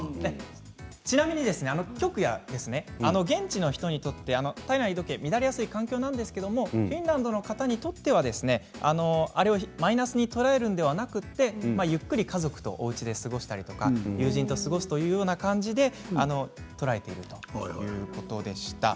ちなみに極夜現地の人にとって体内時計が乱れやすい環境なんですけどフィンランドの方にとってはあれをマイナスに捉えるのではなくて、ゆっくり家族とおうちで過ごしたり友人と過ごすというような感じで捉えているということでした。